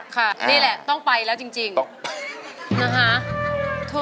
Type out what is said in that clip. ค่ะนี่แหละต้องไปแล้วจริงนะคะ